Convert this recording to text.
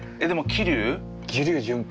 桐生順平。